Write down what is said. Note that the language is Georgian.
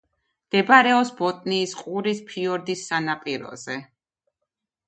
მდებარეობს ბოტნიის ყურის ფიორდის სანაპიროზე.